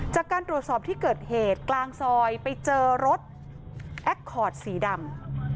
จากการตรวจสอบที่เกิดเหตุกลางซอยไปเจอรถแอคคอร์ดสีดำ